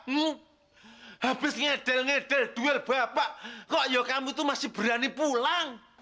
mu habis ngedel ngedel duel bapak kok ya kamu tuh masih berani pulang